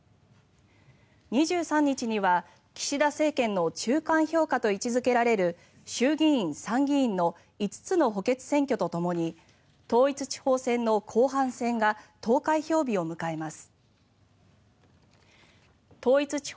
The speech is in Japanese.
２３日には岸田政権の中間評価と位置付けられる衆議院、参議院の５つの補欠選挙とともに統一地方選の後半戦が投開票日を迎えます。